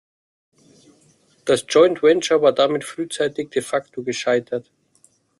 Das Joint Venture war damit frühzeitig de facto gescheitert.